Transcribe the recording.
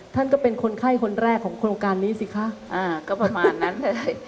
ท่านก็เป็นคนไข้คนแรกของโครงการนี้สิคะก็ประมาณนั้นเลย